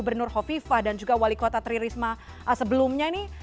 gubernur hovifa dan juga wali kota tririsma sebelumnya ini